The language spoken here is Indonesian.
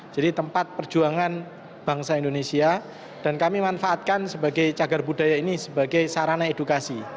jadi tempat perjuangan bangsa indonesia dan kami manfaatkan sebagai cagar budaya ini sebagai sarana edukasi